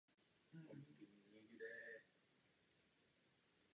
Koberce darovala íránská vláda.